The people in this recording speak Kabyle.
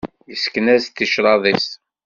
Yessken-as ticraḍ-is.